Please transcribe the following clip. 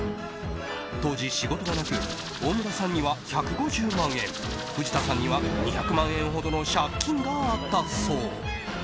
当時、仕事がなく大村さんには１５０万円藤田さんには２００万円ほどの借金があったそう。